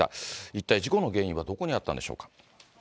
一体、事故の原因はどこにあったんでしょうか。